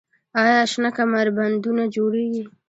آیا شنه کمربندونه جوړیږي؟